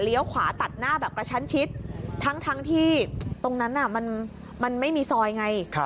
ขวาตัดหน้าแบบกระชั้นชิดทั้งที่ตรงนั้นมันไม่มีซอยไง